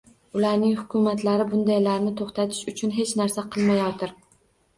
Ularning hukumatlari bundaylarni to‘xtatish uchun hech narsa qilolmayotir